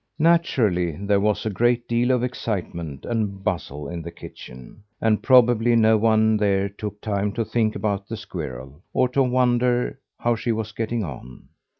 Naturally there was a great deal of excitement and bustle in the kitchen, and probably no one there took time to think about the squirrel, or to wonder how she was getting on.